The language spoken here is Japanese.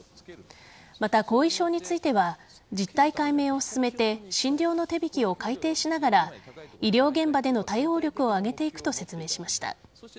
また、後遺症については実態解明を進めて診療の手引を改定しながら医療現場での対応力を上げていくと説明しました。